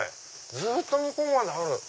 ずっと向こうまである。